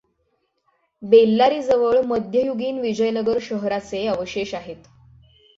बेल्लारीजवळ मध्ययुगीन विजयनगर शहराचे अवशेष आहेत.